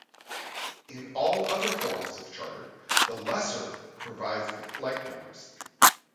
In all other forms of charter, the lessor provides the flight numbers.